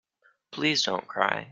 Please don't cry.